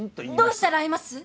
どうしたら会えます？